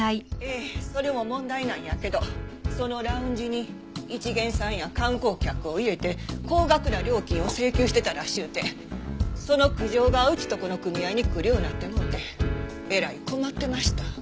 ええそれも問題なんやけどそのラウンジに一見さんや観光客を入れて高額な料金を請求してたらしゅうてその苦情がうちとこの組合に来るようになってもうてえらい困ってました。